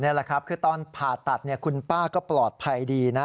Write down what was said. นี่แหละครับคือตอนผ่าตัดคุณป้าก็ปลอดภัยดีนะ